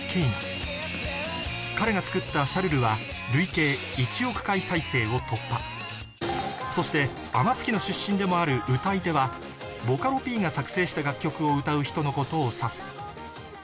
彼が作った『シャルル』は累計１億回再生を突破そして天月の出身でもある「歌い手」は「ボカロＰ」が作成した楽曲を歌う人のことを指す